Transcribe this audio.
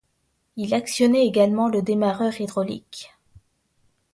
Il actionnait également le démarreur hydraulique.